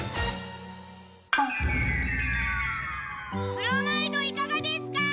ブロマイドいかがですか？